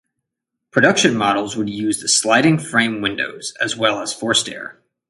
Production models would use the sliding frame windows as well as forced air.